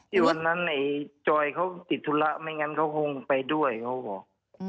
วันนั้นไอ้จอยเขาติดธุระไม่งั้นเขาคงไปด้วยเขาบอก